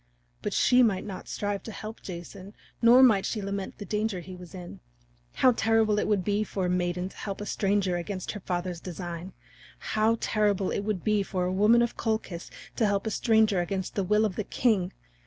But she might not strive to help Jason nor might she lament for the danger he was in. How terrible it would be for a maiden to help a stranger against her father's design! How terrible it would be for a woman of Colchis to help a stranger against the will of the king!